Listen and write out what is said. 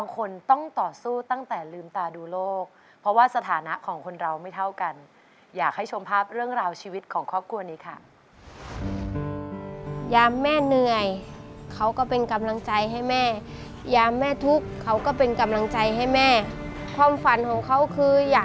ก็คืออยากมีบ้านเป็นของตัวเองไม่ต้องเช่าเขาอยู่